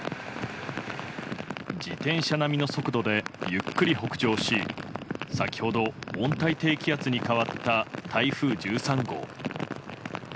自転車並みの速度でゆっくり北上し先ほど温帯低気圧に変わった台風１３号。